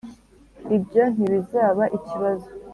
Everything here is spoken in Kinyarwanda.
ibyo ntibizaba ikibazo.